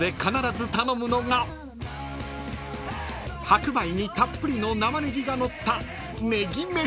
［白米にたっぷりの生ネギがのった］